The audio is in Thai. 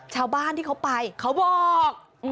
ชาวบ้านที่เขาไปเขาบอก